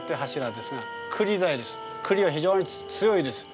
クリは非常に強いです。